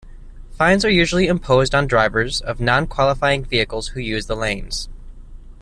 Fines are usually imposed on drivers of non-qualifying vehicles who use the lanes.